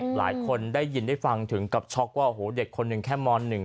หลายคนได้ยินได้ฟังถึงกับช็อกว่าโอ้โหเด็กคนหนึ่งแค่ม๑